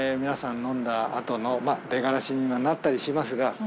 皆さん飲んだ後の出がらしにはなったりしますが。